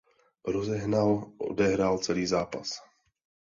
Rozehnal odehrál celý zápas.